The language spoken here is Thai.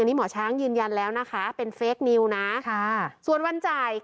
นี่หมอช้างยืนยันแล้วนะคะเป็นเฟคนิวนะค่ะส่วนวันจ่าย